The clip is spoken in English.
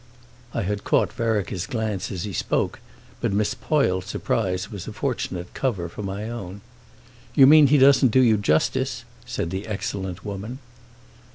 I had caught Vereker's glance as he spoke, but Miss Poyle's surprise was a fortunate cover for my own. "You mean he doesn't do you justice?" said the excellent woman.